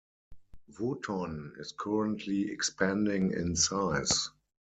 Wootton is currently expanding in size.